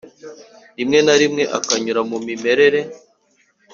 rimwe na rimwe akanyura mu mimerere